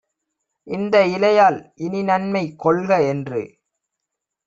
"இந்த இலையால் இனிநன்மை கொள்க" என்று